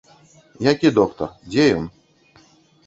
Які доктар, дзе ён?